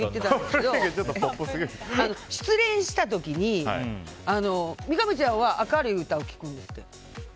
失恋した時に三上ちゃんは明るい歌を聴くんですって。